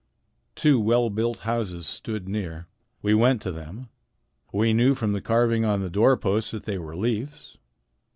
Two well built houses stood near. We went to them. We knew from the carving on the door posts that they were Leif's.